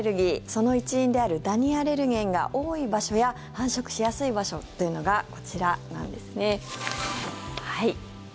その一因であるダニアレルゲンが多い場所や繁殖しやすい場所というのがこちらなんですね。